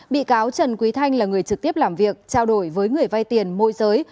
bị cáo trần quý thanh là người trực tiếp làm việc trao đổi với người vay tiền môi giới